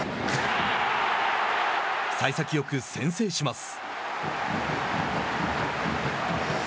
さい先よく先制します。